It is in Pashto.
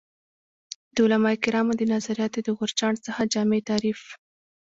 د علمای کرامو د نظریاتو د غورچاڼ څخه جامع تعریف